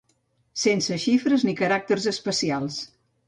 Sense xifres ni caràcters especials